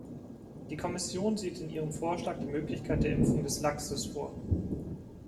Die Kommission sieht in ihrem Vorschlag die Möglichkeit der Impfung des Lachses vor.